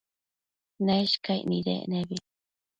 Neshcaic nidec nebi